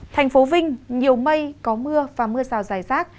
thành phố vinh nhiều mây có mưa và mưa rào dài rác